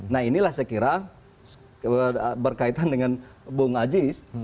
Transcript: nah inilah saya kira berkaitan dengan bung aziz